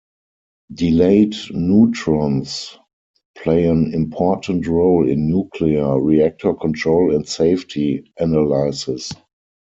Delayed neutrons play an important role in nuclear reactor control and safety analysis.